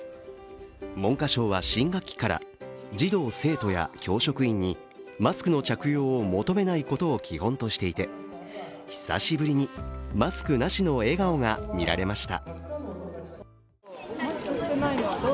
文科省は新学期から児童・生徒や教職員にマスクの着用を求めないことを基本としていて久しぶりにマスクなしの笑顔が見られました。